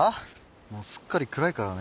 もうすっかり暗いからね。